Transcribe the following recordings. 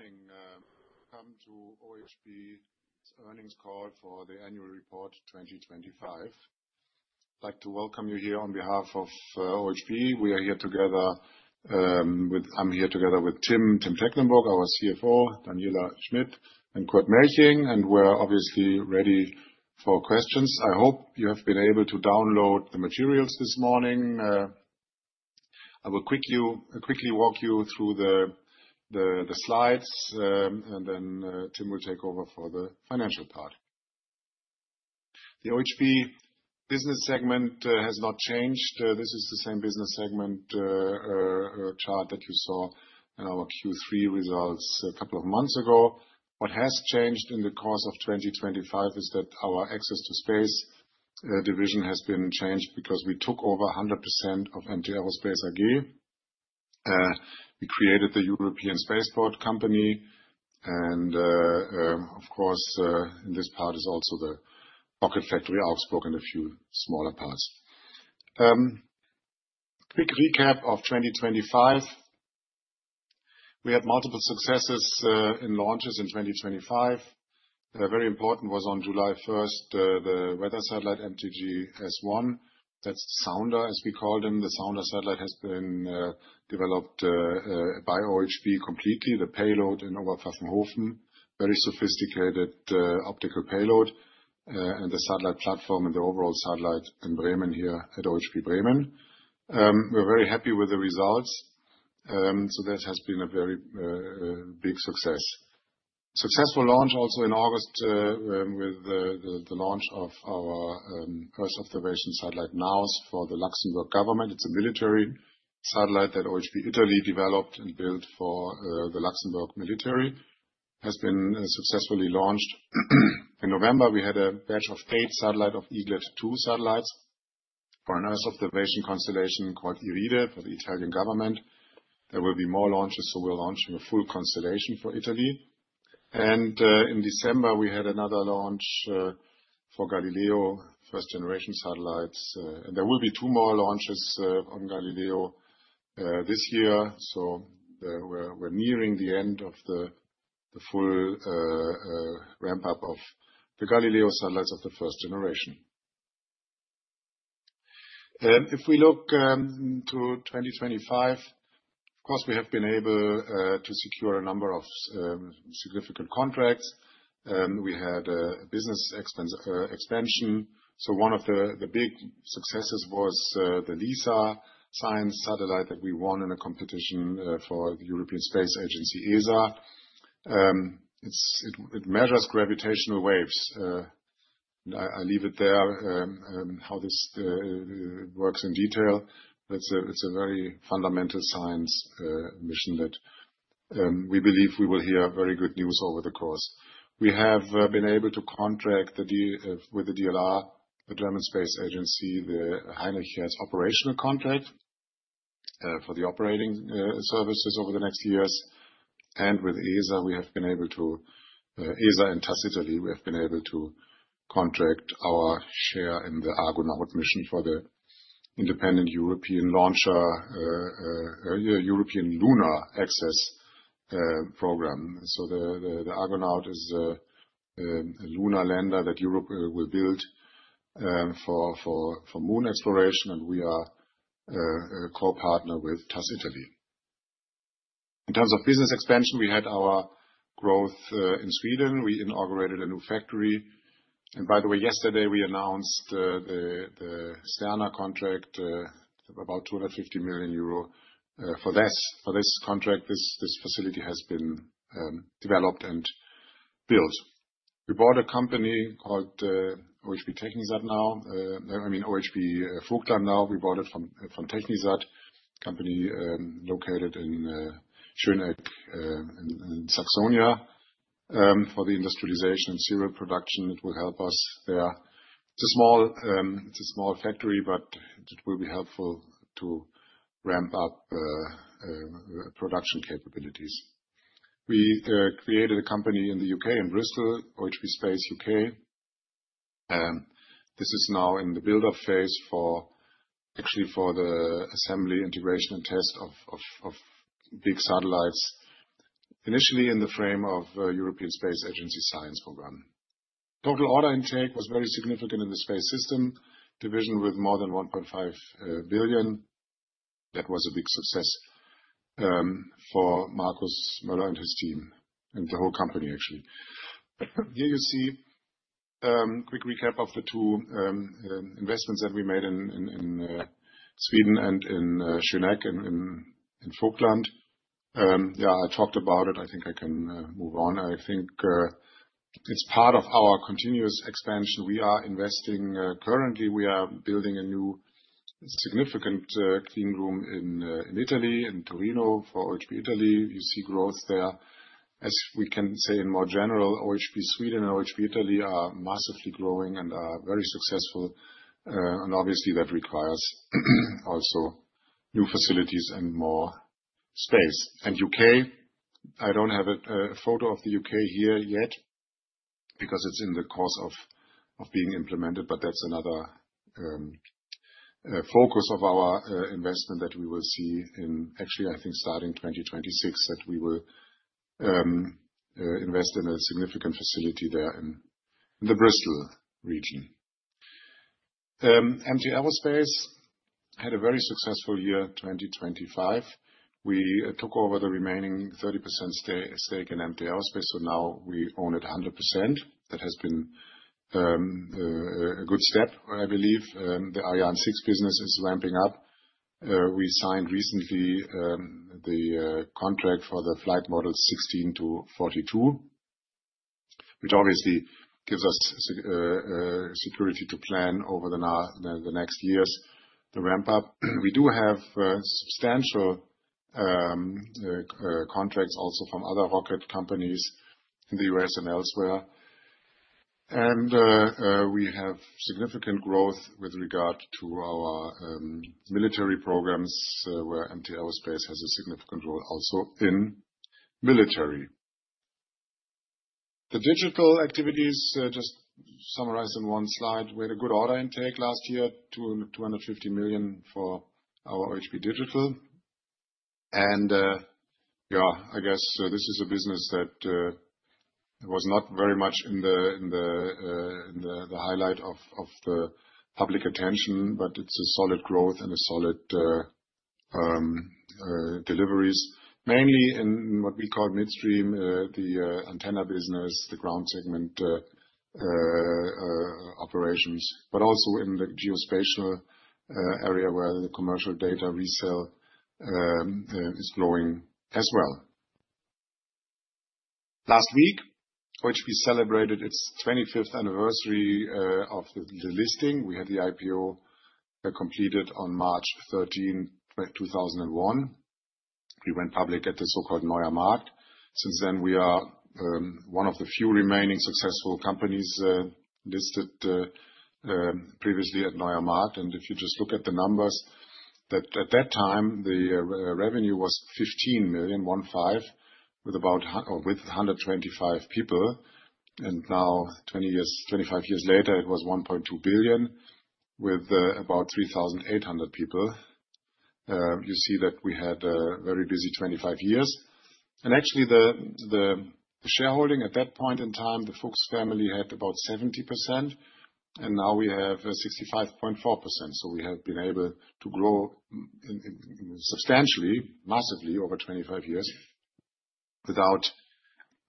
Morning, welcome to OHB's earnings call for the annual report 2025. I'd like to welcome you here on behalf of OHB. I'm here together with Tim Tecklenburg, our CFO, Daniela Schmidt, and Kurt Melching, and we're obviously ready for questions. I hope you have been able to download the materials this morning. I will quickly walk you through the slides, and then Tim will take over for the financial part. The OHB business segment has not changed. This is the same business segment chart that you saw in our Q3 results a couple of months ago. What has changed in the course of 2025 is that our access to space division has been changed because we took over 100% of MT Aerospace AG. We created the European Spaceport Company and, of course, this part is also the Rocket Factory Augsburg. Quick recap of 2025. We had multiple successes in launches in 2025. A very important was on July 1, the weather satellite MTG-S1. That's Sounder, as we call them. The Sounder satellite has been developed by OHB completely. The payload in Oberpfaffenhofen, very sophisticated optical payload, and the satellite platform and the overall satellite in Bremen here at OHB Bremen. We're very happy with the results. That has been a very big success. Successful launch also in August with the launch of our Earth observation satellite, NAOS, for the Luxembourg government. It's a military satellite that OHB Italia developed and built for the Luxembourg military that has been successfully launched. In November, we had a batch of 8 satellites of Eaglet-2 satellites for an Earth observation constellation called IRIDE for the Italian government. There will be more launches, so we're launching a full constellation for Italy. In December, we had another launch for Galileo first-generation satellites. There will be 2 more launches on Galileo this year. We're nearing the end of the full ramp-up of the Galileo satellites of the first generation. If we look to 2025, of course, we have been able to secure a number of significant contracts. We had a business expansion. One of the big successes was the LISA science satellite that we won in a competition for the European Space Agency, ESA. It measures gravitational waves. I leave it there how this works in detail. It's a very fundamental science mission that we believe we will hear very good news over the course. We have been able to contract with the DLR, the German Space Agency, the Heinrich Hertz operational contract for the operating services over the next years. With ESA and Thales Alenia, we have been able to contract our share in the Argonaut mission for the independent European launcher, European Lunar Access program. The Argonaut is a lunar lander that Europe will build for moon exploration, and we are a core partner with Thales Alenia. In terms of business expansion, we had our growth in Sweden. We inaugurated a new factory. By the way, yesterday we announced the SARah contract, about 250 million euro, for this contract, this facility has been developed and built. We bought a company called OHB Vogtland now, I mean, OHB Vogtland now. We bought it from TechniSat, company, located in Schöneck, in Saxony, for the industrialization and serial production. It will help us there. It's a small factory, but it will be helpful to ramp up production capabilities. We created a company in the U.K., in Bristol, OHB Space UK. This is now in the build-up phase for, actually for the assembly, integration, and test of big satellites, initially in the frame of a European Space Agency science program. Total order intake was very significant in the space system division with more than 1.5 billion. That was a big success for Markus Mõller and his team and the whole company actually. Here you see quick recap of the two investments that we made in Sweden and in Schöneck, in Vogtland. Yeah, I talked about it. I think I can move on. I think as part of our continuous expansion, we are investing. Currently, we are building a new significant clean room in Italy, in Torino for OHB Italia. You see growth there. As we can say in general, OHB Sweden and OHB Italia are massively growing and are very successful. Obviously that requires also new facilities and more space. U.K., I don't have a photo of the U.K. here yet. Because it's in the course of being implemented, but that's another focus of our investment that we will see in actually, I think, starting 2026, that we will invest in a significant facility there in the Bristol region. MT Aerospace had a very successful year, 2025. We took over the remaining 30% stake in MT Aerospace, so now we own it 100%. That has been a good step, I believe. The Ariane 6 business is ramping up. We signed recently the contract for the flight model 16 to 42, which obviously gives us security to plan over the next years to ramp up. We do have substantial contracts also from other rocket companies in the U.S. and elsewhere. We have significant growth with regard to our military programs, where MT Aerospace has a significant role also in military. The digital activities just summarized in one slide. We had a good order intake last year, 250 million for our OHB Digital. This is a business that was not very much in the limelight of public attention, but it's a solid growth and solid deliveries, mainly in what we call downstream, the antenna business, the ground segment operations, but also in the geospatial area where the commercial data resale is growing as well. Last week, OHB celebrated its 25th anniversary of the listing. We had the IPO completed on March 13, 2001. We went public at the so-called Neuer Markt. Since then, we are one of the few remaining successful companies listed previously at Neuer Markt. If you just look at the numbers, that at that time, the revenue was 15 million with about 125 people. Now 25 years later, it was 1.2 billion with about 3,800 people. You see that we had a very busy 25 years. Actually, the shareholding at that point in time, the Fuchs family had about 70%, and now we have 65.4%. We have been able to grow substantially, massively over 25 years without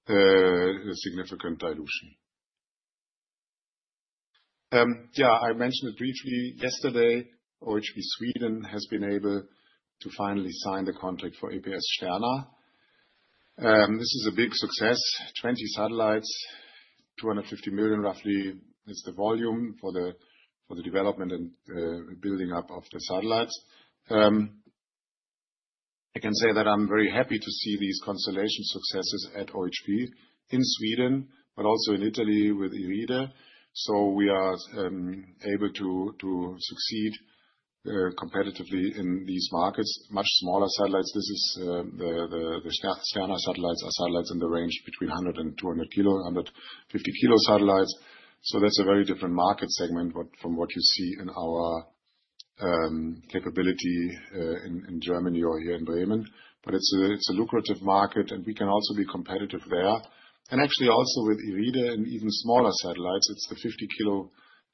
significant dilution. I mentioned it briefly yesterday, OHB Sweden has been able to finally sign the contract for EPS-Sterna. This is a big success. 20 satellites, 250 million, roughly, is the volume for the development and building up of the satellites. I can say that I'm very happy to see these constellation successes at OHB in Sweden, but also in Italy with IRIDE. We are able to succeed competitively in these markets. Much smaller satellites. This is the EPS-Sterna satellites are satellites in the range between 100 and 200 kg, 150 kg satellites. That's a very different market segment from what you see in our capability in Germany or here in Bremen. It's a lucrative market, and we can also be competitive there. Actually also with IRIDE and even smaller satellites, it's the 50-kilo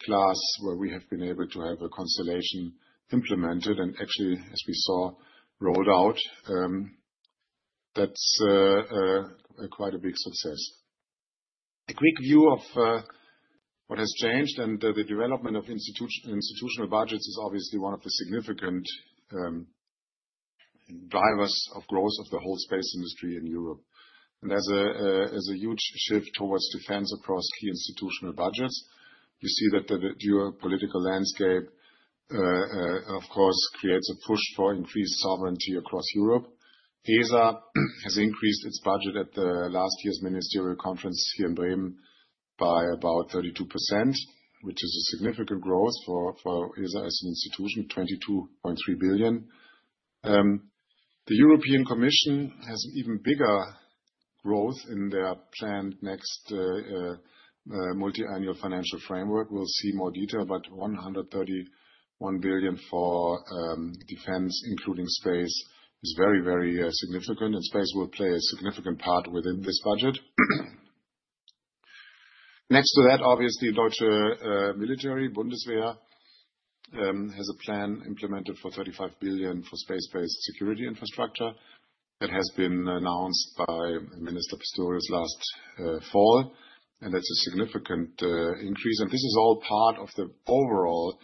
class where we have been able to have a constellation implemented and actually, as we saw, rolled out. That's quite a big success. A quick view of what has changed and the development of institutional budgets is obviously one of the significant drivers of growth of the whole space industry in Europe. There's a huge shift towards defense across key institutional budgets. You see that the geopolitical landscape, of course, creates a push for increased sovereignty across Europe. ESA has increased its budget at last year's ministerial conference here in Bremen by about 32%, which is a significant growth for ESA as an institution, 22.3 billion. The European Commission has an even bigger growth in their planned next multi-annual financial framework. We'll see more detail, but 131 billion for defense, including space, is very significant, and space will play a significant part within this budget. Next to that, obviously, the German military, Bundeswehr, has a plan implemented for 35 billion for space-based security infrastructure that has been announced by Minister Pistorius last fall, and that's a significant increase. This is all part of the overall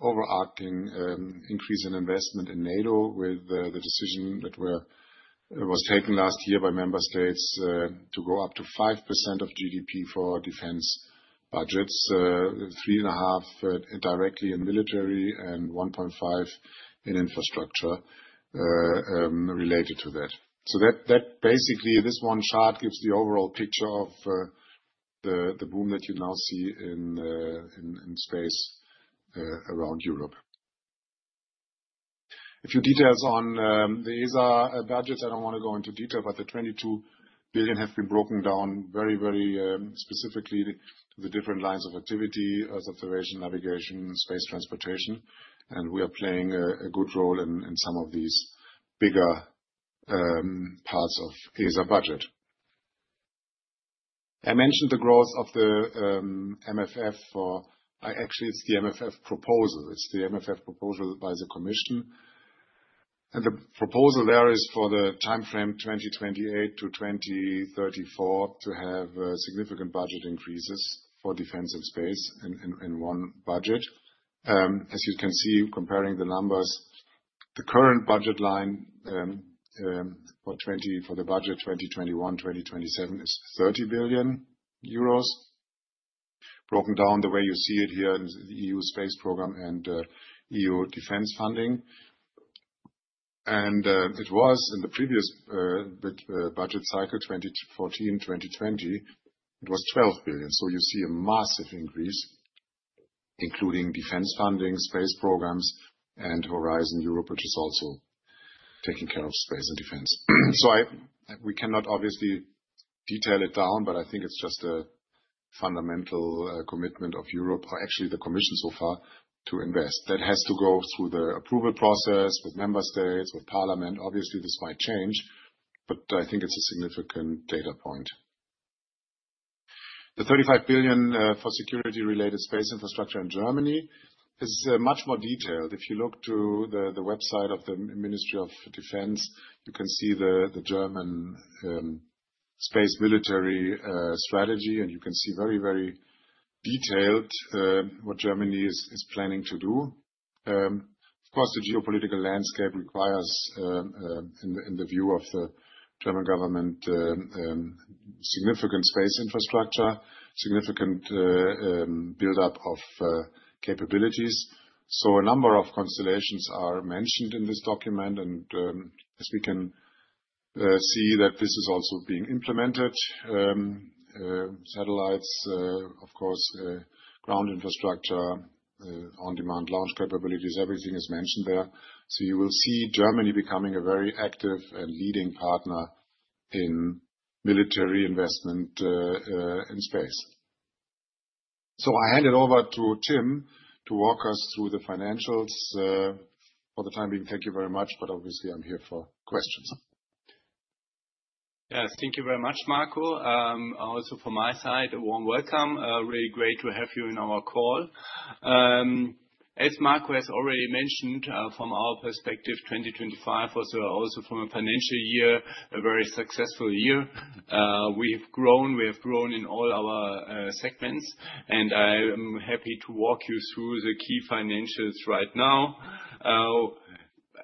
overarching increase in investment in NATO with the decision that was taken last year by member states to go up to 5% of GDP for defense budgets, 3.5% directly in military and 1.5% in infrastructure related to that. That basically this one chart gives the overall picture of the boom that you now see in space around Europe. A few details on the ESA budget. I don't wanna go into detail, but the 22 billion have been broken down very specifically to the different lines of activity. Earth observation, navigation, space transportation, and we are playing a good role in some of these bigger parts of ESA budget. I mentioned the growth of the MFF. Actually, it's the MFF proposal. It's the MFF proposal by the commission. The proposal there is for the timeframe 2028 to 2034 to have significant budget increases for defense and space in one budget. As you can see, comparing the numbers, the current budget line for the budget 2021-2027 is 30 billion euros. Broken down the way you see it here, the EU Space Programme and EU defense funding. It was in the previous budget cycle, 2014 to 2020, it was 12 billion. You see a massive increase, including defense funding, space programs, and Horizon Europe, which is also taking care of space and defense. We cannot obviously detail it down, but I think it's just a fundamental commitment of Europe or actually the commission so far to invest. That has to go through the approval process with member states, with parliament. Obviously, this might change, but I think it's a significant data point. The 35 billion for security-related space infrastructure in Germany is much more detailed. If you look to the website of the Ministry of Defense, you can see the German space military strategy, and you can see very detailed what Germany is planning to do. Of course, the geopolitical landscape requires, in the view of the German government, significant space infrastructure, significant build-up of capabilities. A number of constellations are mentioned in this document, and as we can see that this is also being implemented. Satellites, of course, ground infrastructure, on-demand launch capabilities, everything is mentioned there. You will see Germany becoming a very active and leading partner in military investment in space. I hand it over to Tim to walk us through the financials, for the time being. Thank you very much, but obviously, I'm here for questions. Yes. Thank you very much, Marco. Also from my side, a warm welcome. Really great to have you in our call. As Marco has already mentioned, from our perspective, 2025 was also from a financial year, a very successful year. We have grown in all our segments, and I am happy to walk you through the key financials right now.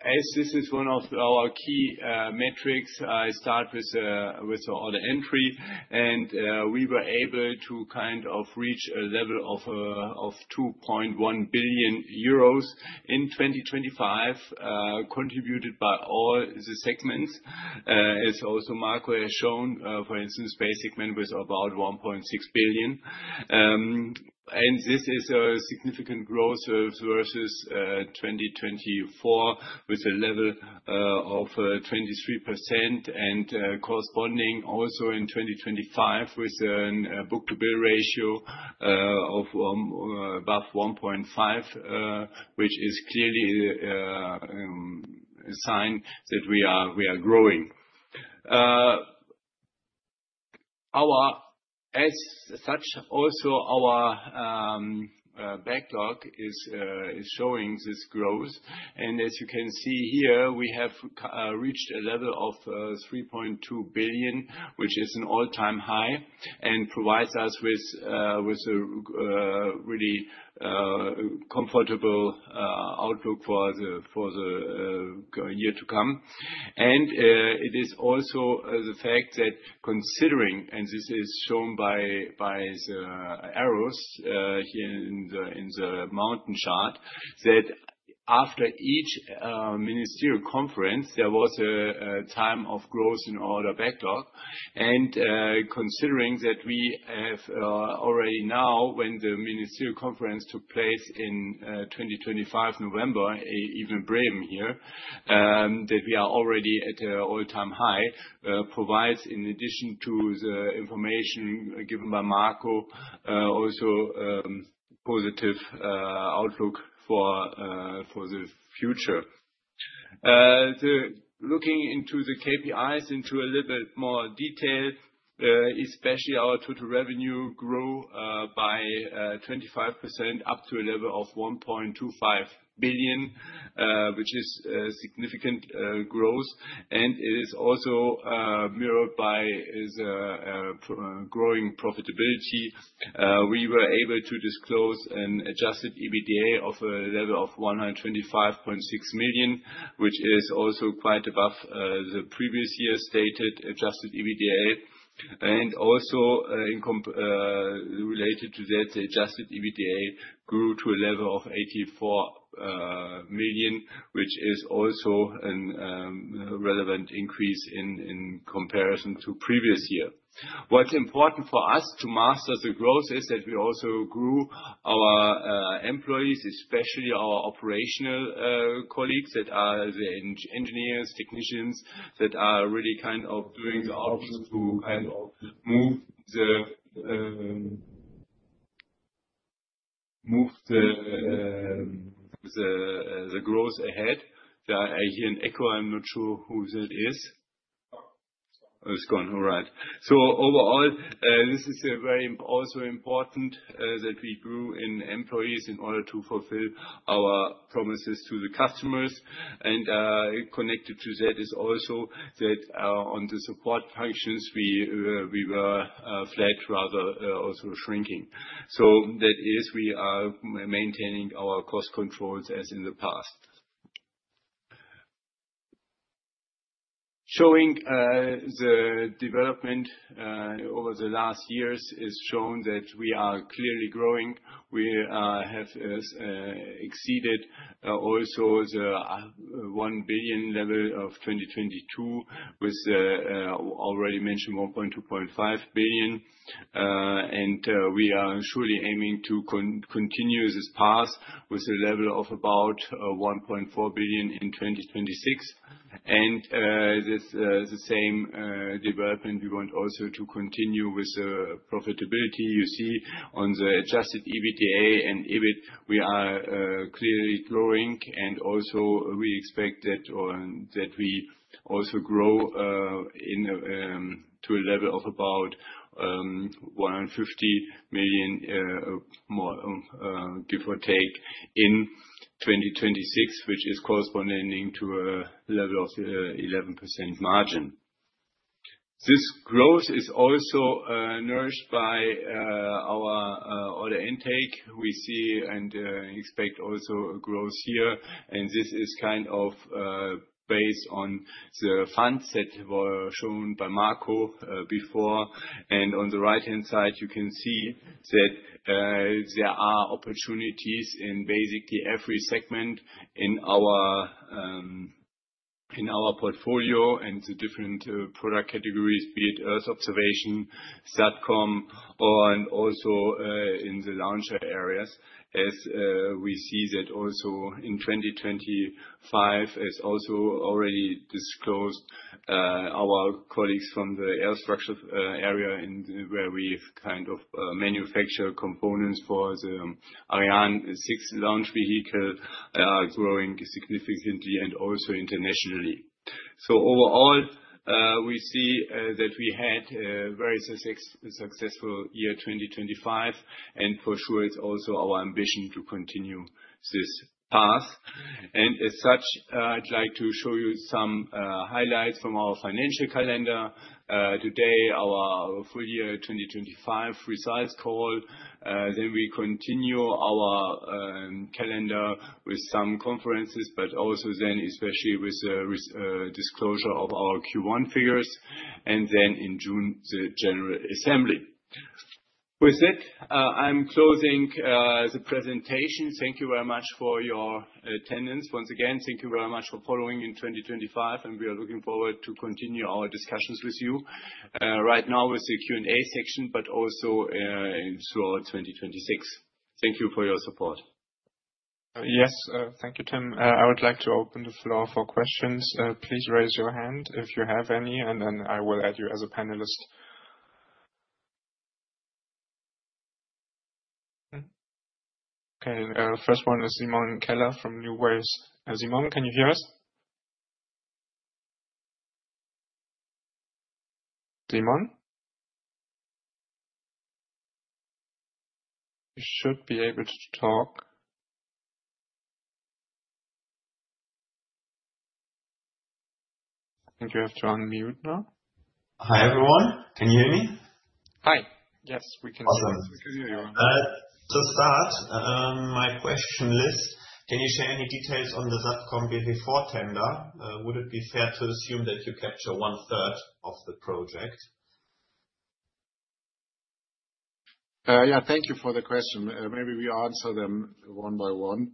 As this is one of our key metrics, I start with order entry, and we were able to kind of reach a level of 2.1 billion euros in 2025, contributed by all the segments, as also Marco has shown, for instance, the space systems about 1.6 billion. This is a significant growth versus 2024 with a level of 23% and corresponding also in 2025 with a book-to-bill ratio of above 1.5, which is clearly a sign that we are growing. Our backlog is showing this growth. As you can see here, we have reached a level of 3.2 billion, which is an all-time high and provides us with a really comfortable outlook for the year to come. It is also the fact that considering, and this is shown by the arrows here in the mountain chart, that after each ministerial conference, there was a time of growth in order backlog. Considering that we have already now, when the ministerial conference took place in November 2025 in Bremen here, that we are already at all-time high provides, in addition to the information given by Marco, also positive outlook for the future. Looking into the KPIs in a little bit more detail, especially our total revenue grew by 25% up to a level of 1.25 billion, which is significant growth. It is also mirrored by growing profitability. We were able to disclose an adjusted EBITDA of a level of 125.6 million, which is also quite above the previous year stated adjusted EBITDA. Also, related to that, the adjusted EBITDA grew to a level of 84 million, which is also a relevant increase in comparison to previous year. What's important for us to master the growth is that we also grew our employees, especially our operational colleagues that are the engineers, technicians, that are really kind of doing the operations to kind of move the growth ahead. I hear an echo. I'm not sure who that is. Oh, it's gone. Oh, it's gone. All right. Overall, this is a very also important that we grew in employees in order to fulfill our promises to the customers. Connected to that is also that on the support functions, we were flat rather also shrinking. That is, we are maintaining our cost controls as in the past. Showing the development over the last years has shown that we are clearly growing. We have exceeded also the 1 billion level of 2022 with the already mentioned 1.25 billion. We are surely aiming to continue this path with a level of about 1.4 billion in 2026. This the same development we want also to continue with the profitability. You see on the adjusted EBITDA and EBIT, we are clearly growing and also we expect that we also grow to a level of about 150 million more, give or take, in 2026, which is corresponding to a level of 11% margin. This growth is also nourished by our order intake. We see and expect also a growth here. This is kind of based on the funds that were shown by Marco before. On the right-hand side, you can see that there are opportunities in basically every segment in our portfolio and the different product categories, be it Earth observation, SatCom or and also in the launcher areas. As we see that also in 2025, as also already disclosed, our colleagues from the aerospace structure area where we manufacture components for the Ariane 6 launch vehicle are growing significantly and also internationally. Overall, we see that we had a very successful year, 2025, and for sure it's also our ambition to continue this path. As such, I'd like to show you some highlights from our financial calendar. Today, our full year 2025 results call. Then we continue our calendar with some conferences, but also then especially with the disclosure of our Q1 figures and then in June, the general assembly. With that, I'm closing the presentation. Thank you very much for your attendance. Once again, thank you very much for following in 2025, and we are looking forward to continue our discussions with you, right now with the Q&A section, but also, into our 2026. Thank you for your support. Yes. Thank you, Tim. I would like to open the floor for questions. Please raise your hand if you have any, and then I will add you as a panelist. Okay. First one is Simon Keller from NuWays. Simon, can you hear us? Simon? You should be able to talk. You have to unmute now. Hi, everyone. Can you hear me? Hi. Yes, we can hear you. Awesome. To start, my question list, can you share any details on the SatComBw Stage 4 tender? Would it be fair to assume that you capture 1/3 of the project? Yeah. Thank you for the question. Maybe we answer them one by one.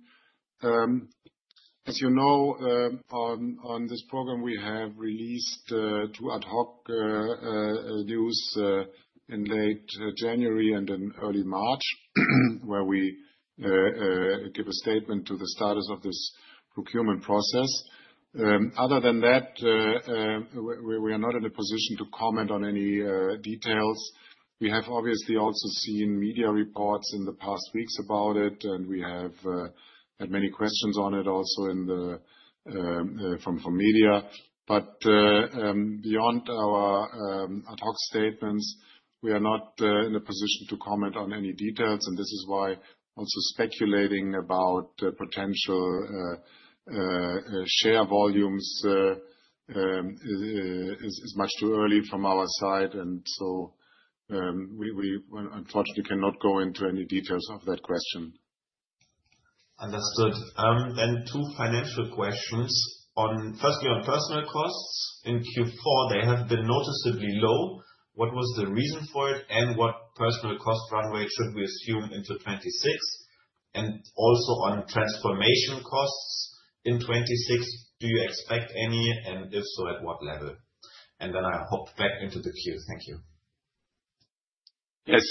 As you know, on this program, we have released two ad hoc news in late January and in early March, where we give a statement to the status of this procurement process. Other than that, we are not in a position to comment on any details. We have obviously also seen media reports in the past weeks about it, and we have had many questions on it also from media. Beyond our ad hoc statements, we are not in a position to comment on any details, and this is why also speculating about potential share volumes is much too early from our side. We unfortunately cannot go into any details of that question. Understood. Two financial questions. Firstly, on personnel costs. In Q4, they have been noticeably low. What was the reason for it, and what personnel cost runway should we assume into 2026? Also on transformation costs in 2026, do you expect any? If so, at what level? Then I hop back into the queue. Thank you. Yes,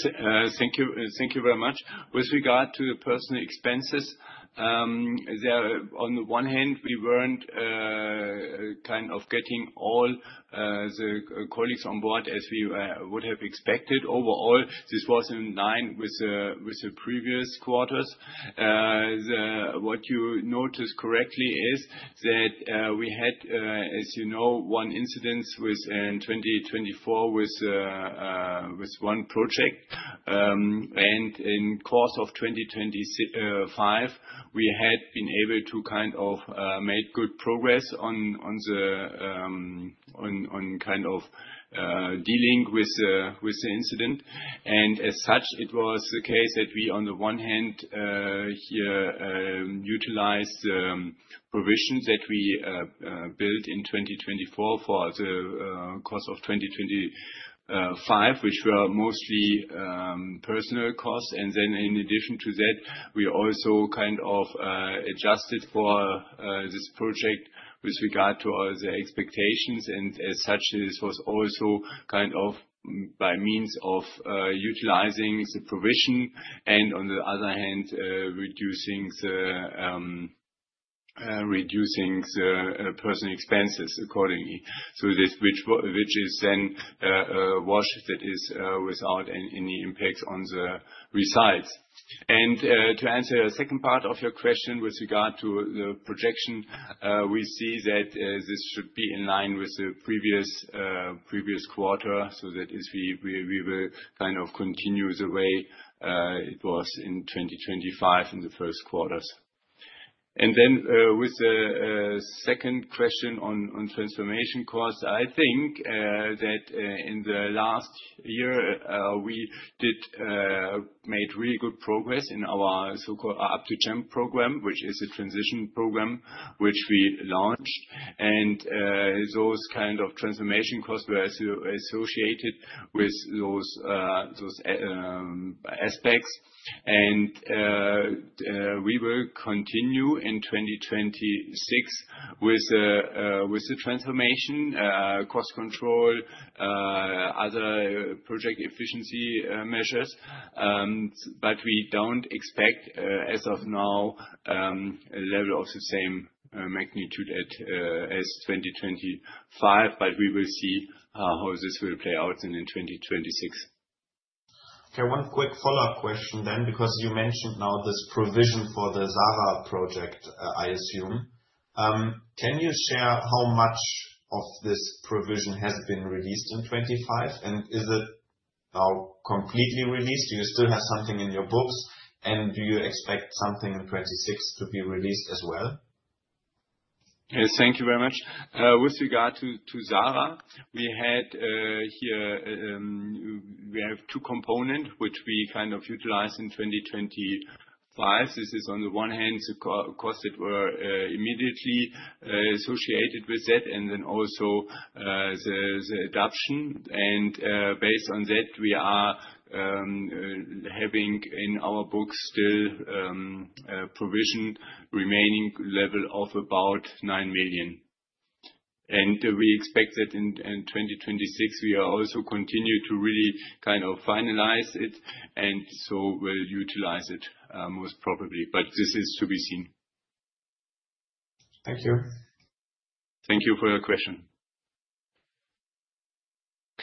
thank you. Thank you very much. With regard to the personnel expenses, they're on the one hand, we weren't kind of getting all the colleagues on board as we would have expected. Overall, this was in line with the previous quarters. What you noticed correctly is that, as you know, we had one incident in 2024 with one project. In the course of 2025, we had been able to kind of make good progress on dealing with the incident. As such, it was the case that we, on the one hand, here, utilized provisions that we built in 2024 for the course of 2025, which were mostly personnel costs. Then in addition to that, we also kind of adjusted for this project with regard to all the expectations. As such, this was also kind of by means of utilizing the provision, and on the other hand, reducing the personnel expenses accordingly. This, which is then washed. It is without any impacts on the results. To answer your second part of your question with regard to the projection, we see that this should be in line with the previous quarter, so that is we will kind of continue the way it was in 2025 in the first quarters. With the second question on transformation costs, I think that in the last year we made really good progress in our so-called Up2Jump program, which is a transition program which we launched. Those kind of transformation costs were associated with those aspects. We will continue in 2026 with the transformation cost control other project efficiency measures. We don't expect, as of now, a level of the same magnitude as 2025. We will see how this will play out in 2026. Okay, one quick follow-up question then, because you mentioned now this provision for the SARah project. Can you share how much of this provision has been released in 2025? And is it now completely released? Do you still have something in your books? And do you expect something in 2026 to be released as well? Yes, thank you very much. With regard to SARah, we have two component which we kind of utilized in 2025. This is on the one hand, the costs that were immediately associated with that, and then also the adoption. Based on that, we are having in our books still provision remaining level of about 9 million. We expect that in 2026, we also continue to really kind of finalize it and so will utilize it most probably. This is to be seen. Thank you. Thank you for your question.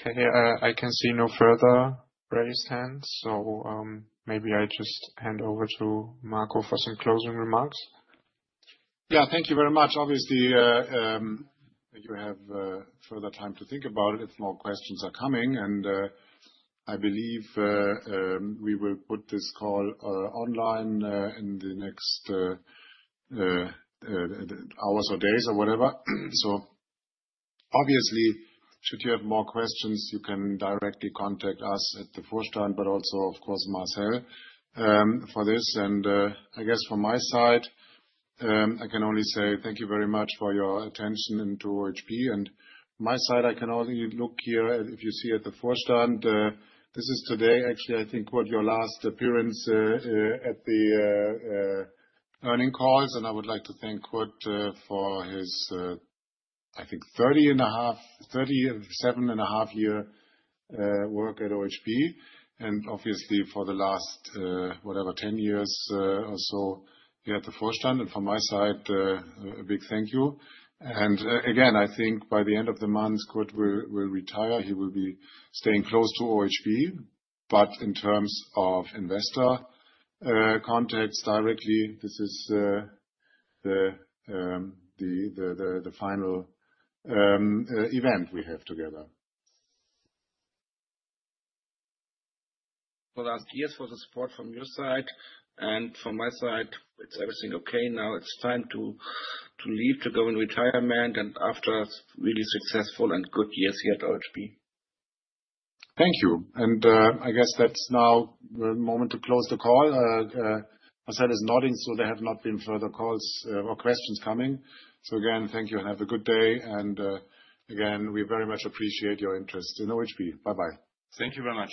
Okay. I can see no further raised hands, so, maybe I just hand over to Marco for some closing remarks. Yeah. Thank you very much. Obviously, you have further time to think about if more questions are coming. I believe we will put this call online in the next hours or days or whatever. Obviously, should you have more questions, you can directly contact us at the first time, but also, of course, Marcel, for this. I guess from my side, I can only say thank you very much for your attention and to OHB. From my side, I can only look here, if you see at the first time, this is today actually I think, what, your last appearance at the earnings calls. I would like to thank Kurt for his, I think, 37.5-year work at OHB. Obviously for the last whatever 10 years or so, he had the first time. From my side, a big thank you. Again, I think by the end of the month, Kurt will retire. He will be staying close to OHB, but in terms of investor contacts directly, this is the final event we have together. Well, last years was a support from your side and from my side. It's everything okay now. It's time to leave, to go in retirement and after really successful and good years here at OHB. Thank you. I guess that's now the moment to close the call. Marcel is nodding, so there have not been further calls or questions coming. Again, thank you and have a good day. Again, we very much appreciate your interest in OHB. Bye-bye. Thank you very much.